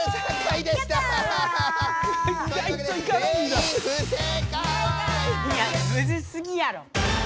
いやむずすぎやろ。